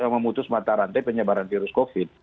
memutus mata rantai penyebaran virus covid